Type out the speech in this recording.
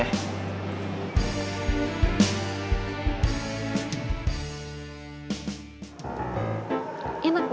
iya udah makan